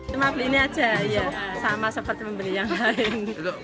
cuma beli ini aja ya sama seperti membeli yang lain